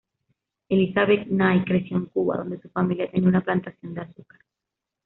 Elizabeth Knight creció en Cuba, donde su familia tenía una plantación de azúcar.